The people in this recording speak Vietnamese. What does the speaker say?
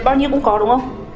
vâng đúng rồi